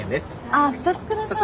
あっ２つ下さい。